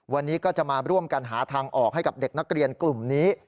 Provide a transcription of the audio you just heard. วันนี้ก็จะมาร่วมกันหาทางออกให้กับเด็กนักเรียนกลุ่มนี้